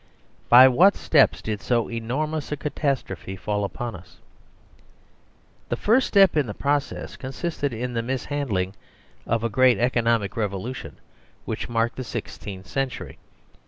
By what steps did so enormous a catastrophe fall upon us? The first step in the process consisted in the mis handling of a great economic revolution which mark ed the sixteenth century.